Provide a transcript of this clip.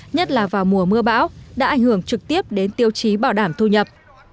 nhất là vào mùa mưa bão đã ảnh hưởng trực tiếp đến tiêu chí bảo đảm thu nhập